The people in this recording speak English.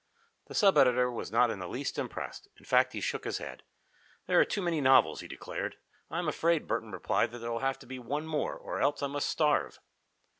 The sub editor was not in the least impressed in fact he shook his head. "There are too many novels," he declared. "I am afraid," Burton replied, "that there will have to be one more, or else I must starve."